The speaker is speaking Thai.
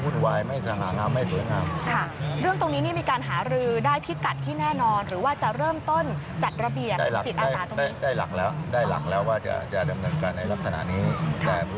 ก็ก็จะมีหน้าที่จะไกลมากไปก็ไม่ได้ไกลมากไปก็ลำบากครับ